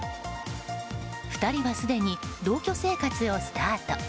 ２人はすでに同居生活をスタート。